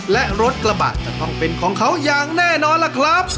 และรถกระบะจะต้องเป็นของเขาอย่างแน่นอนล่ะครับ